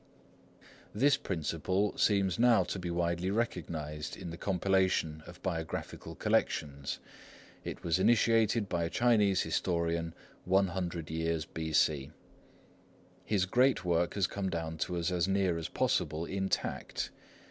This principle seems now to be widely recognised in the compilation of biographical collections. It was initiated by a Chinese historian one hundred years B.C. His great work has come down to us as near as possible intact.